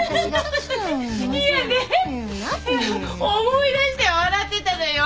思い出して笑ってたのよ。